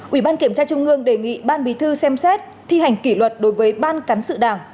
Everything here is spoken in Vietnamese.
ubthv trung ương đề nghị ban bí thư xem xét thi hành kỷ luật đối với ban cán sự đảng